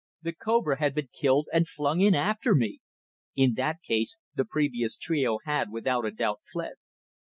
The cobra had been killed and flung in after me! In that case the precious trio had, without a doubt, fled.